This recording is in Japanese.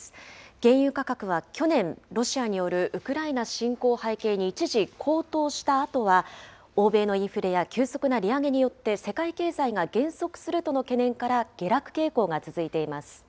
原油価格は去年、ロシアによるウクライナ侵攻を背景に、一時高騰したあとは、欧米のインフレや急速な利上げによって、世界経済が減速するとの懸念から下落傾向が続いています。